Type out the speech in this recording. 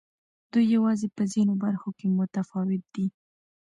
دوی یوازې په ځینو برخو کې متفاوت دي.